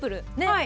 はい。